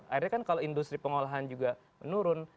akhirnya kan kalau industri pengolahan juga menurun